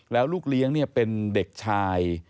แล้วลูกเลี้ยงเป็นเด็กชาย